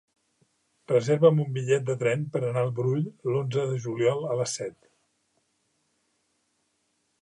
Reserva'm un bitllet de tren per anar al Brull l'onze de juliol a les set.